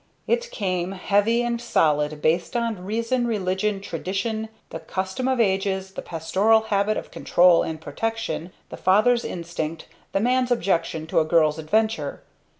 It came, heavy and solid, based on reason, religion, tradition, the custom of ages, the pastoral habit of control and protection, the father's instinct, the man's objection to a girl's adventure.